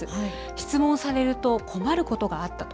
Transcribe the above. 質問されると困ることがあったと。